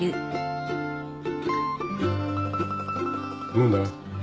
飲んだ？